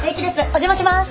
お邪魔します！